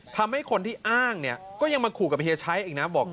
ทำให้คนที่อ้างเนี่ยก็ยังมาขู่กับเฮียชัยอีกนะบอก